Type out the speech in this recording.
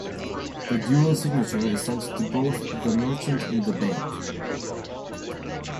The dual signature is sent to both the merchant and the bank.